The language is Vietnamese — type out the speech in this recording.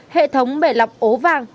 hệ thống bẻ lọc ố vàng